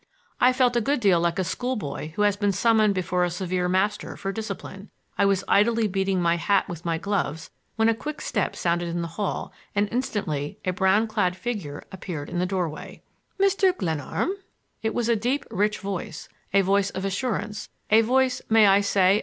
I felt a good deal like a school boy who has been summoned before a severe master for discipline. I was idly beating my hat with my gloves when a quick step sounded in the hall and instantly a brown clad figure appeared in the doorway. "Mr. Glenarm?" It was a deep, rich voice, a voice of assurance, a voice, may I say?